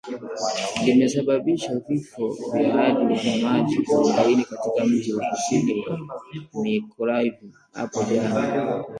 limesababisha vifo vya hadi wanamaji arobaini katika mji wa kusini wa Mykolaiv hapo jana